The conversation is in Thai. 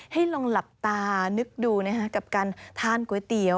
ให้ลองหลับตานึกดูกับการทานก๋วยเตี๋ยว